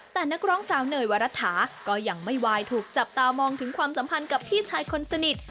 แต่นักร้องสาวเนยวรัฐาก็ยังไม่วายถูกจับตามองถึงความสัมพันธ์กับพี่ชายคนสนิท